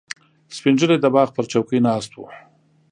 سپین ږیری د باغ پر چوکۍ ناست و.